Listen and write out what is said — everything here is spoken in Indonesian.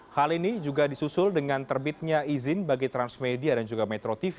hal ini juga disusul dengan terbitnya izin bagi transmedia dan juga metro tv